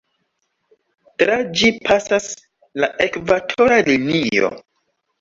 Tra ĝi pasas la Ekvatora Linio.